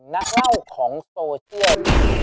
นักเล่าของโซเชียล